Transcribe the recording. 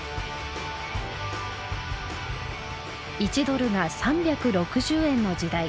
１ドルが３６０円の時代